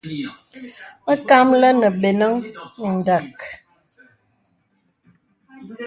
Məkàməlì nə̀ bə̀nəŋ mindàk.